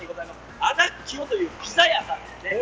アダッキオというピザ屋さんです。